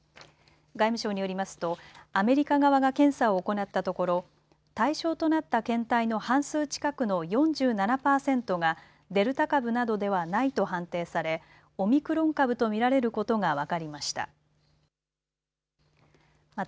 外務省によりますとアメリカ側が検査を行ったところ対象となった検体の半数近くの４７パーセントがデルタ株などではないと判定され、オミクロン株と見られることが分かりました。